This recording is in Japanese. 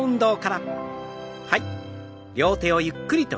はい。